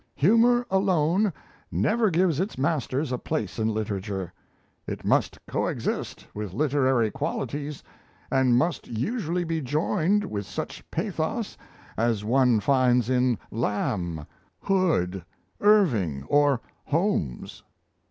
Humour alone never gives its masters a place in literature; it must coexist with literary qualities, and must usually be joined with such pathos as one finds in Lamb, Hood, Irving, or Holmes."